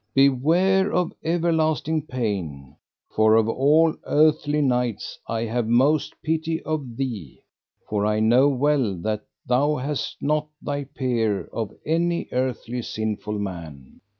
Beware of everlasting pain, for of all earthly knights I have most pity of thee, for I know well thou hast not thy peer of any earthly sinful man.